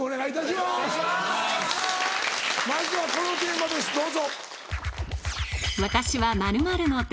まずはこのテーマですどうぞ。